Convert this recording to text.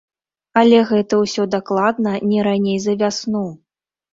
Але гэта ўсё дакладна не раней за вясну.